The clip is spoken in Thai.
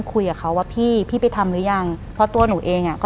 หลังจากนั้นเราไม่ได้คุยกันนะคะเดินเข้าบ้านอืม